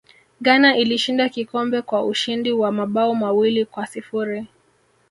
ghana ilishinda kikombe kwa ushindi wa mabao mawili kwa sifuri